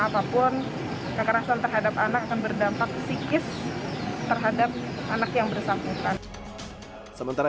apapun kekerasan terhadap anak akan berdampak psikis terhadap anak yang bersangkutan sementara